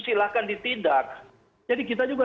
silahkan ditindak jadi kita juga